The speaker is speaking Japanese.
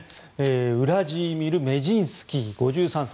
ウラジーミル・メジンスキー５３歳。